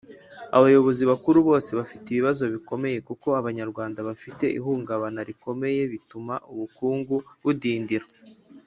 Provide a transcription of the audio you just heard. ubuyobozi bukuru bose bafite ibibazo bikomeye kuko abanyarwanda bafite ihungabana rikomeye bituma ubukungu budindira.